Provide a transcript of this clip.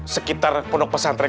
sekitar pondok pesantren